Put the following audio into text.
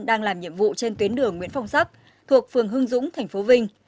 đang làm nhiệm vụ trên tuyến đường nguyễn phong sắc thuộc phường hưng dũng tp vinh